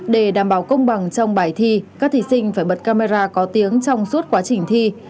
để đảm bảo công bằng trong bài thi các thí sinh phải bật camera có tiếng trong suốt quá trình thi